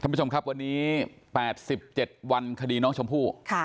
ท่านผู้ชมครับวันนี้แปดสิบเจ็ดวันคดีน้องชมพู่ค่ะ